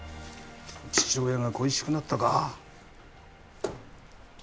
父親が恋しくなったか？